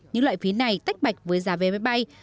những loại phí này tách bạch với giá vé máy bay